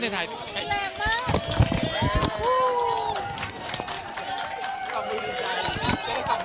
สวัสดีครับ